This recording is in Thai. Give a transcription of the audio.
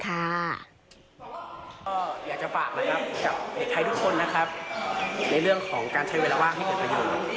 ก็อยากจะฝากนะครับกับเด็กไทยทุกคนนะครับในเรื่องของการใช้เวลาว่างให้เกิดประโยชน์